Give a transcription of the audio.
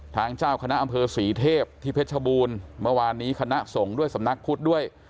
เจ้าคณะอำเภอศรีเทพที่เพชรบูรณ์เมื่อวานนี้คณะสงฆ์ด้วยสำนักพุทธด้วย